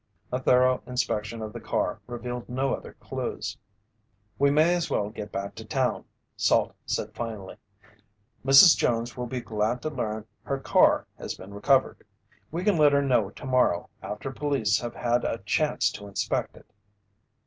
A thorough inspection of the car revealed no other clues. "We may as well get back to town," Salt said finally. "Mrs. Jones will be glad to learn her car has been recovered. We can let her know tomorrow after police have had a chance to inspect it."